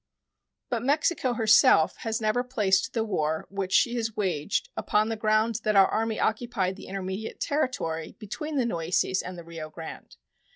But Mexico herself has never placed the war which she has waged upon the ground that our Army occupied the intermediate territory between the Nueces and the Rio Grande.